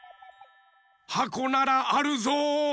はこならあるぞ。